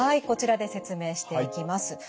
こちらで説明していきます。